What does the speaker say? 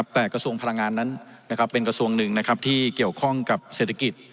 แต่กระทรวงพลังงานนั้นเป็นกระทรวงหนึ่งที่เกี่ยวข้องกับเศรษฐกิจ